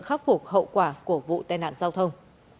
khắc phục hậu quả của vụ tai nạn giao thông